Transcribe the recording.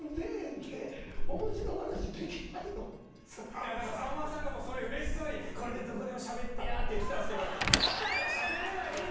いやだからさんまさんがそれうれしそうにこれでどこでもしゃべってやって言ってたんですけど酒井はしゃべれないですから。